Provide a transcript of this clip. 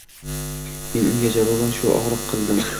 Men unga javoban shu og’riq qo’lim